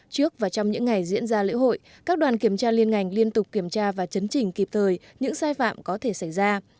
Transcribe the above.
trước và trong những ngày diễn ra lễ hội các đoàn kiểm tra liên ngành liên tục kiểm tra và chấn chỉnh kịp thời những sai phạm có thể xảy ra